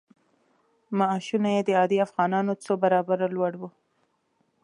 معاشونه یې د عادي افغانانو څو برابره لوړ وو.